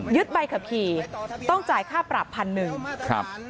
ยึดใบขาพีต้องจ่ายค่าปรับ๑๐๐๐บาท